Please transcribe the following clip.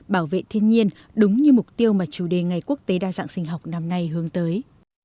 bảo vệ thiên nhiên đúng như mục tiêu mà chủ đề ngày quốc tế đa dạng sinh học năm nay hướng tới